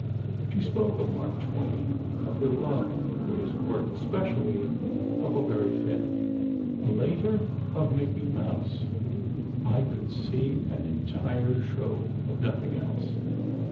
She spoke of Mark Twain—of her love for his work, especially "Huckleberry Finn." Later, of "Mickey Mouse": "I could see an entire show of nothing else."